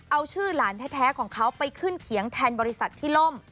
เอาชื่อหลานแท้ของเขาไปขึ้นเขียงแทนบริษัทที่ล่ม